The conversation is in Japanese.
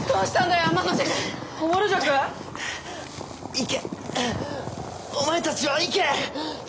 行けお前たちは行け！